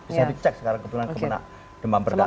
bisa dicek sekarang kebetulan kemenang demam berdarah